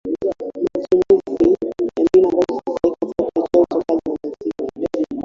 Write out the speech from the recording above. Matumizi ya mbinu ambazo si sahihi katika kuchochea utokaji wa maziwa